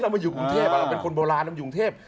มาอยู่กรุงเทพเราเป็นคนโบราณเราอยู่กรุงเทพ